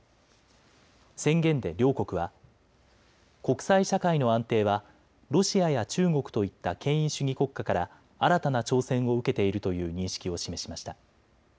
宣言で両国は国際社会の安定はロシアや中国といった権威主義国家から新たな挑戦を受けているという認識を示しました。